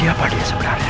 apa dia sebenarnya